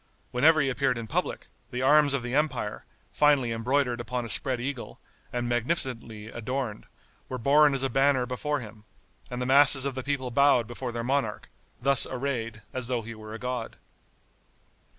Whenever he appeared in public, the arms of the empire, finely embroidered upon a spread eagle, and magnificently adorned, were borne as a banner before him; and the masses of the people bowed before their monarch, thus arrayed, as though he were a god.